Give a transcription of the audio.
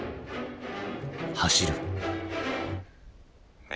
走る。